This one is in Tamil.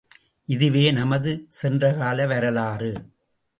இதுவே, நமது சென்றகால வரலாறு!